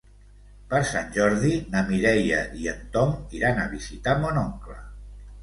Per Sant Jordi na Mireia i en Tom iran a visitar mon oncle.